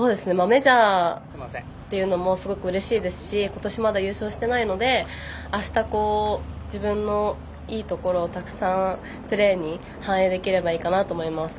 メジャーというのもすごくうれしいですし今年、まだ優勝していないのであした、自分のいいところをたくさんプレーに反映できればいいかなと思います。